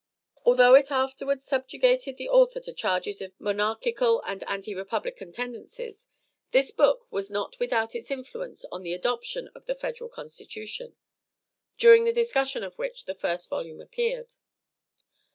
Although it afterward subjugated the author to charges of monarchical and anti republican tendencies, this book was not without its influence on the adoption of the federal constitution; during the discussion of which the first volume appeared.